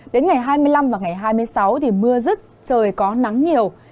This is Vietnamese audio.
đến ngày hai mươi năm và ngày hai mươi sáu thì mưa rứt trời có nắng nhiều